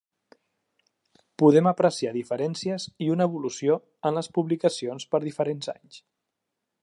Podem apreciar diferències i una evolució en les publicacions per diferents anys.